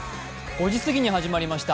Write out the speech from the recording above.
５時過ぎに始まりました